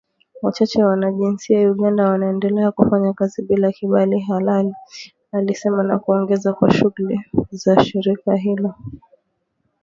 Wachache Wanajinsia Uganda wanaendelea kufanya kazi bila kibali halali alisema na kuongeza kuwa shughuli za shirika hilo zimesitishwa mara moja.